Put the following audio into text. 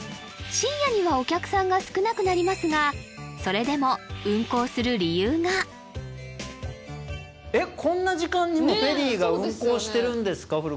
深夜にはお客さんが少なくなりますがそれでも運航する理由がえっこんな時間にもフェリーが運航してるんですか？